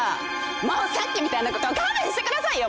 もうさっきみたいなことは勘弁してくださいよ